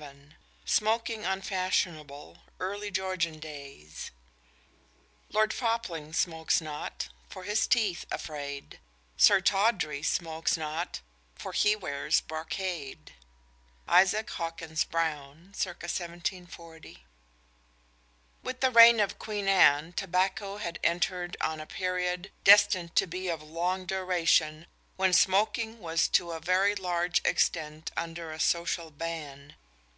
VII SMOKING UNFASHIONABLE: EARLY GEORGIAN DAYS Lord Fopling smokes not for his teeth afraid; Sir Tawdry smokes not for he wears brocade. ISAAC HAWKINS BROWNE, circa 1740. With the reign of Queen Anne tobacco had entered on a period, destined to be of long duration, when smoking was to a very large extent under a social ban.